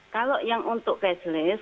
kalau yang untuk cashless